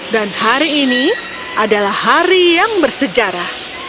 dan hari ini adalah hari yang bersejarah